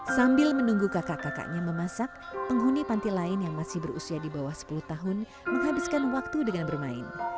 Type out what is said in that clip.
sambil menunggu kakak kakaknya memasak penghuni panti lain yang masih berusia di bawah sepuluh tahun menghabiskan waktu dengan bermain